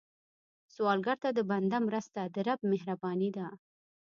سوالګر ته د بنده مرسته، د رب مهرباني ده